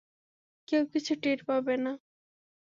কেউ কিছু টের পাবে না।